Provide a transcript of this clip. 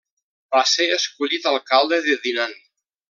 Va ser escollit alcalde de Dinan.